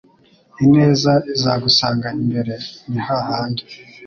Ineza izagusanga imbere nihahandi